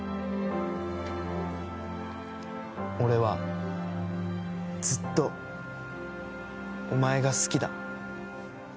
俺は、ずっとお前が好きだ。